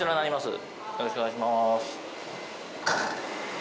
よろしくお願いします。